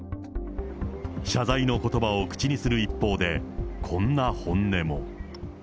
謝罪のことばを口にする一方で、こんな本音も。